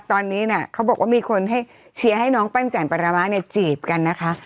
ตอนนี้นะเขาบอกว่ามีคนให้เชียร์ให้น้องปั้นแจ่มปรมะเนี่ยจีบกันนะคะ